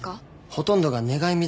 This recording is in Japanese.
ほとんどが願い水